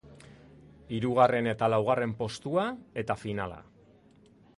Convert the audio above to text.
Hirugarren eta laugarren postua eta finala.